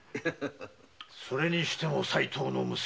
それにしても齋藤の娘